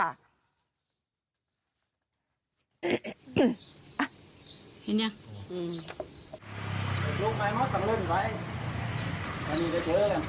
อ่ะนี่เนี่ยอืมลูกใบเมาส์สำเริ่มไว้